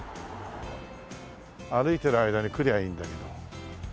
歩いてる間に来りゃいいんだけど。